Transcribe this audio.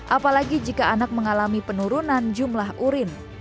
apalagi jika anak mengalami penurunan jumlah urin